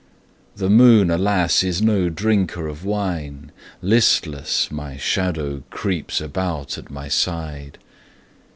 The moon, alas, is no drinker of wine; Listless, my shadow creeps about at my side.